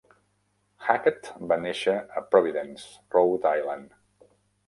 Hackett va néixer a Providence, Rhode Island.